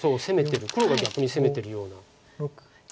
黒が逆に攻めてるような。